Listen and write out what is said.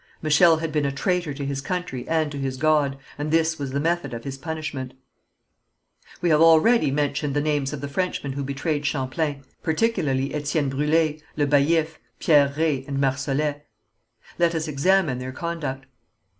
Michel had been a traitor to his country and to his God, and this was the method of his punishment. We have already mentioned the names of the Frenchmen who betrayed Champlain, particularly Étienne Brûlé, Le Baillif, Pierre Reye and Marsolet. Let us examine their conduct.